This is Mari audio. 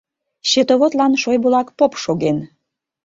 Счетоводлан Шойбулак поп шоген.